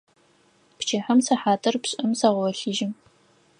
Пчыхьэм сыхьатыр пшӀым сэгъолъыжьы.